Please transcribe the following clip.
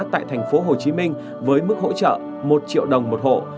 tại thành phố hồ chí minh với mức hỗ trợ một triệu đồng một hộ